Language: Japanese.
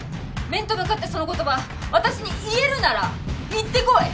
面と向かってその言葉私に言えるなら言ってこい。